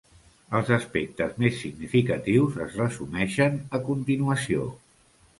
Els aspectes més significatius es resumeixen a continuació.